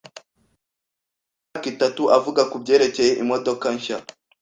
Amaze imyaka itatu avuga kubyerekeye imodoka nshya.